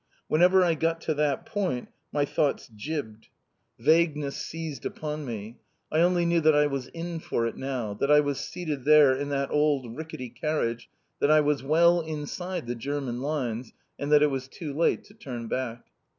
Whenever I got to that point my thoughts jibbed. Vagueness seized upon me. I only knew that I was in for it now: that I was seated there in that old rickety carriage; that I was well inside the German lines; and that it was too late to turn back.